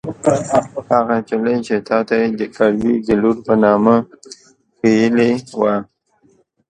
هغه نجلۍ چې تا ته يې د کرزي د لور په نامه ښييلې وه.